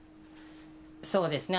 そうですね。